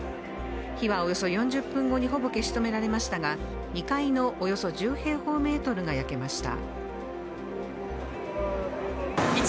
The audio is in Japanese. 火はおよそ４０分後にほぼ消し止められましたが、２階のおよそ１０平方メートルが焼けました。